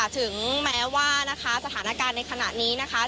ถึงแม้ว่านะคะสถานการณ์ในขณะนี้นะคะ